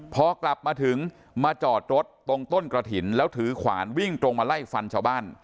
พอกลับมาถึงมาจอดรถตรงต้นกระถิ่นแล้วถือขวานวิ่งตรงมาไล่ฟันชาวบ้าน